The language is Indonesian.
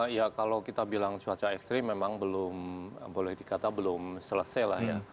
ya kalau kita bilang cuaca ekstrim memang belum selesai